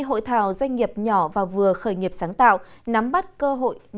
hội thảo doanh nghiệp nhỏ và vừa khởi nghiệp sáng tạo nắm bắt cơ hội